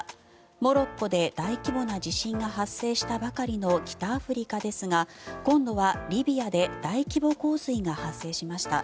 モロッコで大規模な地震が発生したばかりの北アフリカですが今度はリビアで大規模洪水が発生しました。